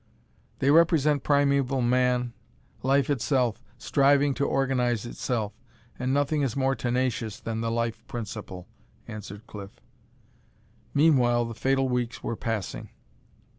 "They represent primeval man, life itself, striving to organize itself, and nothing is more tenacious than the life principle," answered Cliff. Meanwhile the fatal weeks were passing.